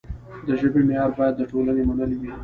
د ژبې معیار باید د ټولنې منل وي.